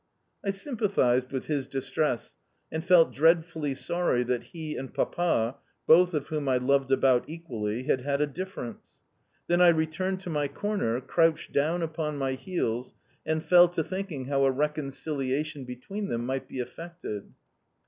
I sympathised with his distress, and felt dreadfully sorry that he and Papa (both of whom I loved about equally) had had a difference. Then I returned to my corner, crouched down upon my heels, and fell to thinking how a reconciliation between them might be effected.